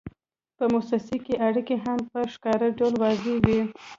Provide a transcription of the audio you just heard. په موسسه کې اړیکې هم په ښکاره ډول واضحې وي.